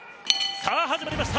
さあ、始まりました。